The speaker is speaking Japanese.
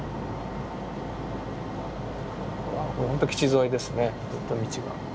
ほんと基地沿いですねずっと道が。